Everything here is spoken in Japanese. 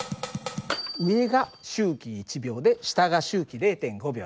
上が周期１秒で下が周期０．５秒だよ。